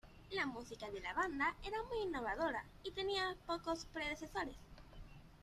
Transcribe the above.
La música de la banda era muy innovadora y tenía pocos predecesores.